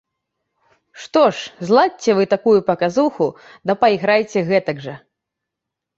Што ж, зладзьце вы такую паказуху да пайграйце гэтак жа.